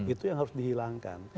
itu yang harus dihilangkan